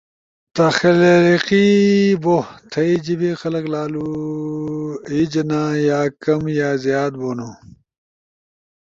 تخلیقی بو۔، تھئی جیبے خلق لالو عیجنا یا کم یا زیاد بونو۔